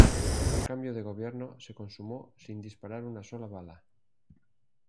El cambio de gobierno se consumó sin disparar una sola bala.